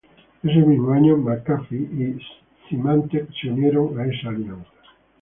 Ese mismo año McAfee y Symantec se unieron a esta alianza.